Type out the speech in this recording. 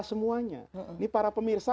semuanya ini para pemirsa